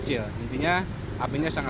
intinya apinya sama